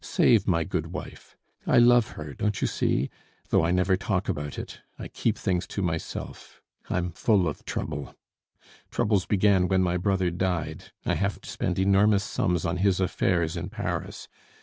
Save my good wife! I love her, don't you see? though I never talk about it; I keep things to myself. I'm full of trouble. Troubles began when my brother died; I have to spend enormous sums on his affairs in Paris.